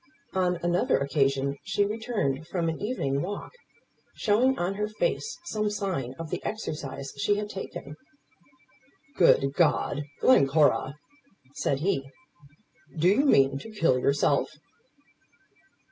On another occasion she returned from an evening walk, showing on her face some sign of the exercise she had taken. "Good G ! Glencora," said he, "do you mean to kill yourself?"